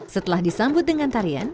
setelah disambut dengan tarian